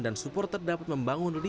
dan supporter dapat membangun lima budaya